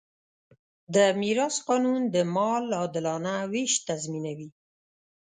د میراث قانون د مال عادلانه وېش تضمینوي.